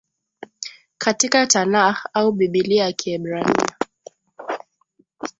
katika Tanakh au Biblia ya Kiebrania